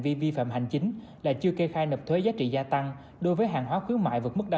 vi vi phạm hành chính là chưa kê khai nộp thuế giá trị gia tăng đối với hàng hóa khuyến mại vượt mức ba